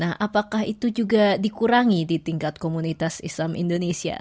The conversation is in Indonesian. nah apakah itu juga dikurangi di tingkat komunitas islam indonesia